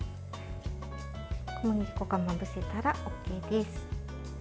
小麦粉がまぶせたらＯＫです。